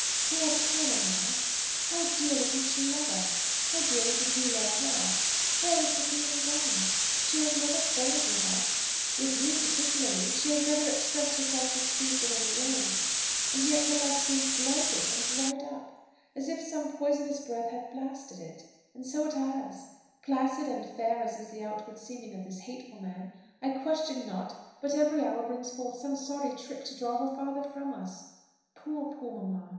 Poor, poor mamma! how dearly did she love us! how dearly did we love her! Where is the feeling gone? She has never quarrelled with us; with me, particularly, she has never expressed herself displeased in any way; and yet her love seems blighted and dried up, as if some poisonous breath had blasted it; and so it has placid and fair as is the outward seeming of this hateful man, I question not but every hour brings forth some sorry trick to draw her farther from us. Poor, poor mamma!